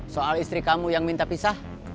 soal istri kamu yang minta pisah